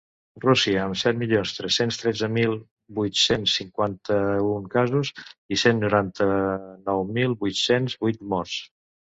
Rússia, amb set milions tres-cents tretze mil vuit-cents cinquanta-un casos i cent noranta-nou mil vuit-cents vuit morts.